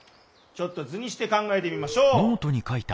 ちょっと図にして考えてみましょう。